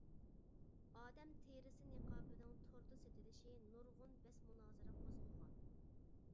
ئادەم تېرىسى نىقابىنىڭ توردا سېتىلىشى نۇرغۇن بەس-مۇنازىرە قوزغىغان.